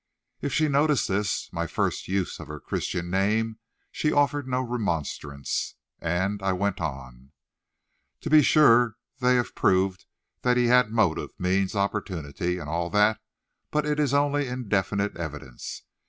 If she noticed this, my first use of her Christian name, she offered no remonstrance, and I went on, "To be sure, they have proved that he had motive, means, opportunity, and all that, but it is only indefinite evidence.